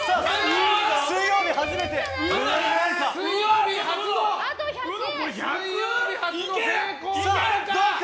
水曜日初めてになるか。